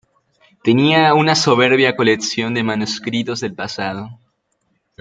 Tenía una soberbia colección de manuscritos del pasado.